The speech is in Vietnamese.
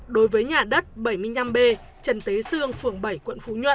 đối với nhà đất bảy mươi năm b trần tế sương phường bảy quận phú nhuận